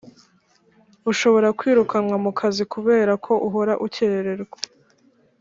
Ushobora kwirukanwa mu kazi kubera ko uhora ucyererwa